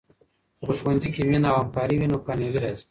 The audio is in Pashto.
که په ښوونځي کې مینه او همکاري وي، نو کامیابي راځي.